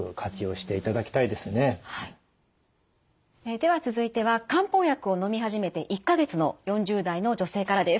では続いては漢方薬をのみ始めて１か月の４０代の女性からです。